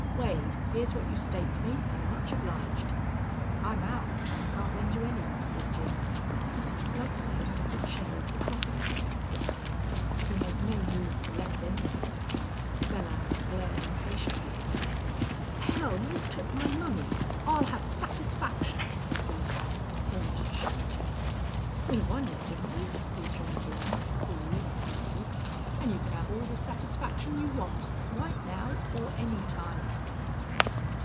"Wade, here's what you staked me, an' much obliged." "I'm out, an' I can't lend you any," said Jim. Bludsoe had a good share of the profits of that quick game, but he made no move to lend any of it. Belllounds glared impatiently at them. "Hell! you took my money. I'll have satisfaction," he broke out, almost shouting. "We won it, didn't we?" rejoined Lem, cool and easy. "An' you can have all the satisfaction you want, right now or any time."